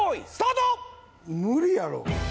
無理やろ